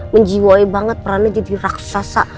menjiwai banget perannya jadi raksasa